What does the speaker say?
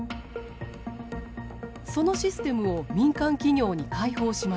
そのシステムを民間企業に開放しました。